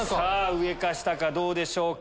上か下かどうでしょうか？